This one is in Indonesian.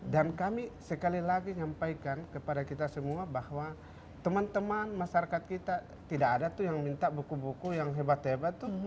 dan kami sekali lagi nyampaikan kepada kita semua bahwa teman teman masyarakat kita tidak ada yang minta buku buku yang hebat hebat